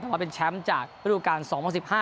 แต่ว่าเป็นแชมป์จากรูปการณ์๒๐๑๕